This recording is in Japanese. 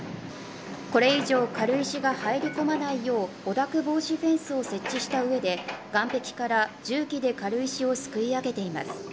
これ以上、軽石が入り込まないよう汚濁防止フェンスを設置したうえで岸壁から重機で軽石をすくい上げています